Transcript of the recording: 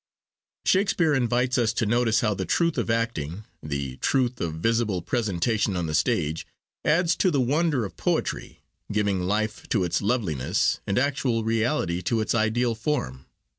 Shakespeare invites us to notice how the truth of acting, the truth of visible presentation on the stage, adds to the wonder of poetry, giving life to its loveliness, and actual reality to its ideal form.